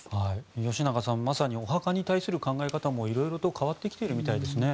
吉永さんまさにお墓に対する考え方も色々と変わってきているみたいですね。